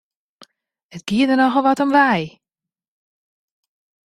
It gie der nochal wat om wei!